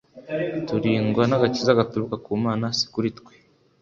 turindwa na Agakiza gaturuka ku Mana si kuri twe.